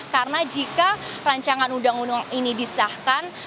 karena jika rancangan undang undang ini disahkan